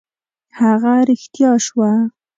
هغه رښتیا شوه.